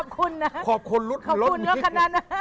ขอบคุณนะขอบคุณรถไอ้มินิ